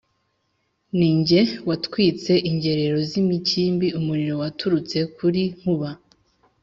Ni jye watwitse ingerero z’imikimbi, umuriro waturutse kuli Nkuba,